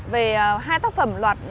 về hai tác phẩm loạt